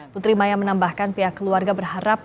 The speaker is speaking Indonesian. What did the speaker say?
putri maya menambahkan pihak keluarga berharap